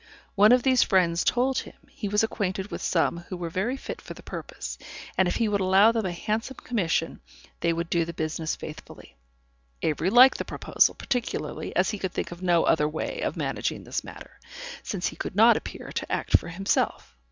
One of these friends told him, he was acquainted with some who were very fit for the purpose, and if he would allow them a handsome commission, they would do the business faithfully. Avery liked the proposal, particularly as he could think of no other way of managing this matter, since he could not appear to act for himself.